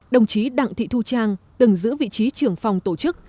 đồng chí đặng thị thu trang từng giữ vị trí trưởng phòng tổ chức